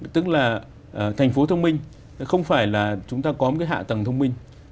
tức là thành phố thông minh không phải là chúng ta có một cái hạ tầng thông minh